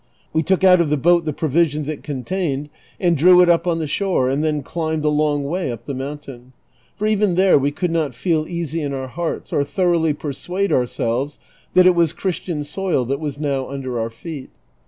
We took out of the boat the provisions it contained, and drew it up on the shore, and then climbed a long way up the mountain, for even there we could not feel easy in our hearts, or thoroughly \yev suade ouselves that it was Christian soil that was now under our feet.